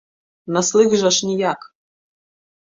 На слых жа ж ніяк.